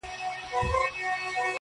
مگر سر ستړی په سودا مات کړي-